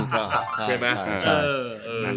ใช่ไหม